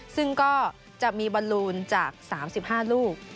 ซึ่งก็จะมีบอลลูนจาก๓๕ลูก